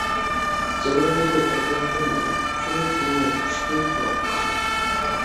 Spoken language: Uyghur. جانلىنىدۇ ئەتراپىم مېنىڭ، چۆمۈپ يېڭى خۇشبۇي پۇراققا.